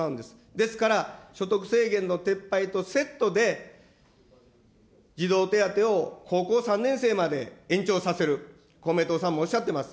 ですから、所得制限の撤廃とセットで、児童手当を高校３年生まで延長させる、公明党さんもおっしゃってます。